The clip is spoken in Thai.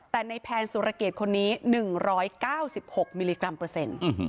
แต่ในแพนสุรเกตคนนี้๑๙๖มิลลิกรัมเปอร์เซ็นต์